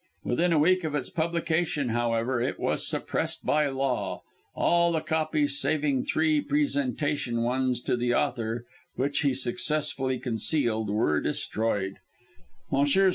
Within a week of its publication, however, it was suppressed by law; all the copies saving three presentation ones to the author, which he successfully concealed, were destroyed; Messrs.